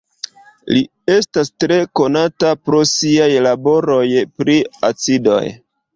Li estas tre konata pro siaj laboroj pri acidoj.